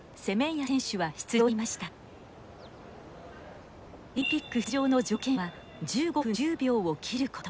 オリンピック出場の条件は１５分１０秒を切ること。